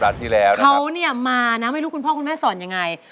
เขานี่มานะไม่รู้คุณพ่อคุณแม่สอนอย่างไร